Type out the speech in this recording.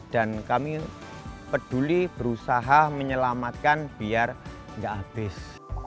dan kami peduli berusaha menyelamatkan biar tidak habis